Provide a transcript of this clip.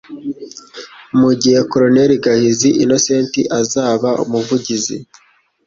mu gihe Colonel Gahizi Innocent azaba umuvugizi